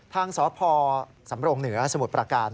ทางสพสำรงเหนือสมุทรประการ